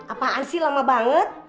apaan sih lama banget